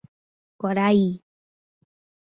Guaraí